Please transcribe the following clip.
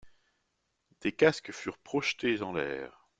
Des casques furent projetés en l'air.